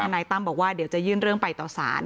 นายตั้มบอกว่าเดี๋ยวจะยื่นเรื่องไปต่อสาร